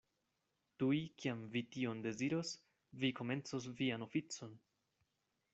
Tuj kiam vi tion deziros, vi komencos vian oficon.